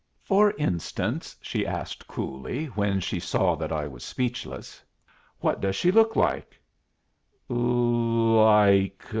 "For instance," she asked coolly, when she saw that I was speechless, "what does she look like?"